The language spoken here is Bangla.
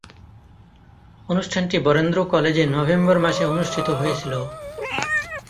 অনুষ্ঠানটি বরেন্দ্র কলেজে নভেম্বর মাসে অনুষ্ঠিত হয়েছিলো।